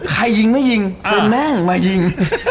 ใครยิงไม่ยิงตัวแม่งมายิง